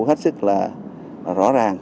hết sức là rõ ràng